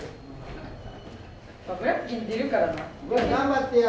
頑張ってや。